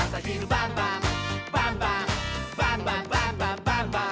「バンバンバンバンバンバン！」